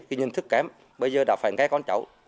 cái nhận thức kém bây giờ đã phải nghe con cháu